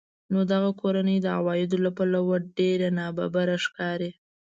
نو دغه کورنۍ د عوایدو له پلوه ډېره نابرابره ښکاري